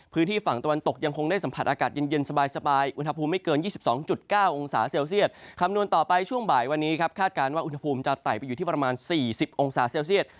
พื้นที่ฝั่งตะวันตกยังคงได้สัมผัสอากาศเย็นสบายอุณหภูมิไม่เกิน๒๒๙องศาเซลเซียตคำนวณต่อไปช่วงบ่ายวันนี้ครับคาดการณ์ว่าอุณหภูมิจะไต่ไปอยู่ที่ประมาณ๔๐องศาเซลเซียต